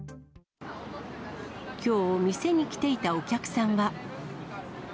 きょう、店に来ていたお客さんは。